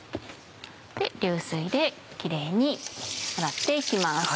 流水でキレイに洗って行きます。